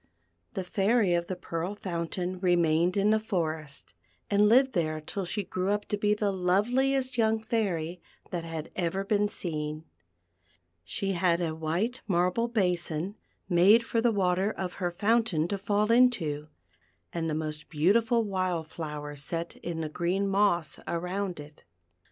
The Fairy of the Pearl Fountain remained in the forest, and lived there till she grew up to be the loveliest young Fairy that had ever been seen. She had a white marble basin, made for the water of her fountain to fall into, and the most beautiful wild flowers set in the green moss around it.